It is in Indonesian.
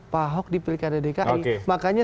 pak ahok di pilkada dki makanya